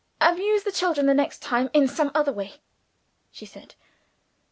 "Amuse the children, the next time, in some other way," she said.